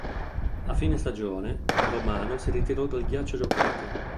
A fine stagione, Romano si ritirò dal ghiaccio giocato.